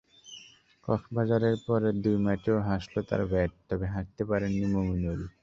কক্সবাজারে পরের দুই ম্যাচেও হাসল তাঁর ব্যাট, তবে হাসতে পারেননি মুমিনুল।